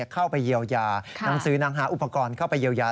เข้าไปเยียวยาหนังสือหนังหาอุปกรณ์เข้าไปเยียวยา